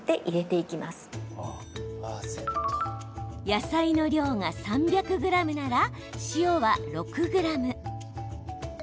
野菜の量が３００ｇなら塩は６ｇ。